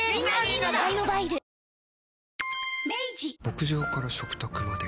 牧場から食卓まで。